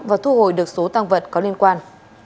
và thu hồi được số tăng vật có liên quan